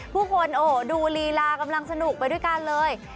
ผู้คนโอ้ดูลีลากำลังสนุกไปด้วยกันเลย